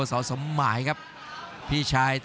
สมหมายครับพี่ชาย